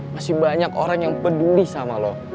masih banyak orang yang peduli sama lo